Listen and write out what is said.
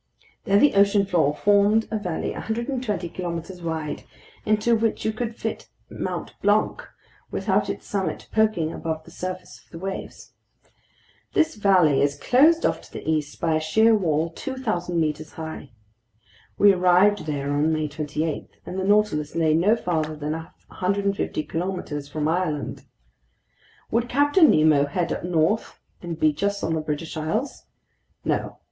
There the ocean floor formed a valley 120 kilometers wide, into which you could fit Mt. Blanc without its summit poking above the surface of the waves. This valley is closed off to the east by a sheer wall 2,000 meters high. We arrived there on May 28, and the Nautilus lay no farther than 150 kilometers from Ireland. Would Captain Nemo head up north and beach us on the British Isles? No.